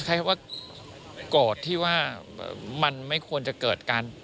แค่ว่าโกรธที่ว่ามันไม่ควรจะเกิด